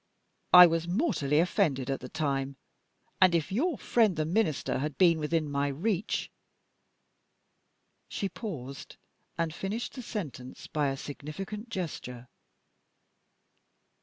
I was mortally offended at the time; and if your friend the Minister had been within my reach " She paused, and finished the sentence by a significant gesture.